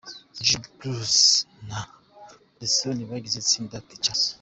G Bruce na The Son bagize itsinda 'Teacherz'.